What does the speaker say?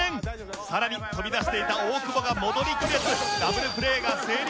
更に飛び出していた大久保が戻りきれずダブルプレーが成立。